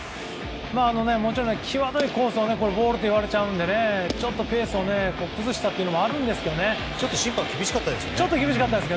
もちろん、際どいコースをボールと言われちゃうのでちょっとペースを崩したというのもちょっと審判厳しかったですね。